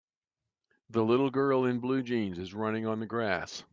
The little girl in blue jeans is running on the grass.